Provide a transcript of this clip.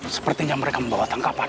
sepertinya mereka membawa tangkapan